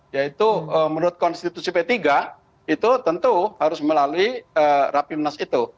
yaitu menurut konstitusi p tiga itu tentu harus melalui rapimnas itu